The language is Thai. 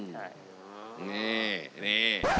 นี่นี่